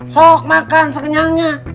sok makan sekenyangnya